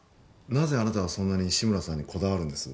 なぜあなたはそんなに志村さんにこだわるんです？